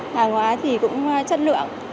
hàng hóa thì cũng chất lượng